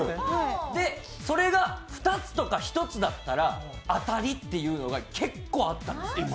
それが２つとか１つだったら当たりというのが結構あったんですよ。